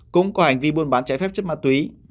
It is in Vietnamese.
cũng có hành vi buôn bán trái phép chất ma túy